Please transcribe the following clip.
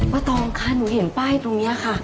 ตองค่ะหนูเห็นป้ายตรงนี้ค่ะ